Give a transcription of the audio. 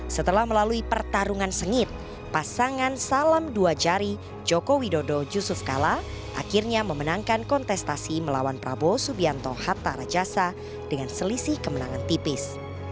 setelah melalui pertarungan sengit pasangan salam dua jari joko widodo yusuf kala akhirnya memenangkan kontestasi melawan prabowo subianto hatta rajasa dengan selisih kemenangan tipis